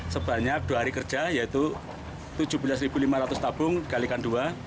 sebanyak dua hari kerja yaitu tujuh belas lima ratus tabung dikalikan dua